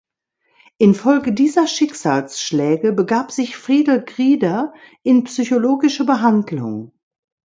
In Folge dieser Schicksalsschläge begab sich Friedel Grieder in psychologische Behandlung.